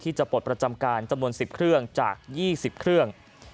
จะปลดประจำการจำนวน๑๐เครื่องจาก๒๐เครื่อง